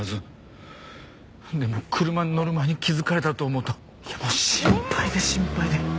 でも車に乗る前に気づかれたらと思うともう心配で心配で。